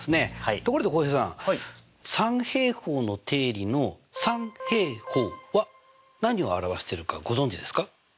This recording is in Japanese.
ところで浩平さん三平方の定理の「三平方」は何を表してるかご存じですか？